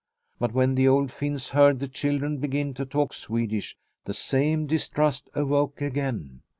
But when the old Finns heard the children begin to talk Swedish the same distrust awoke again.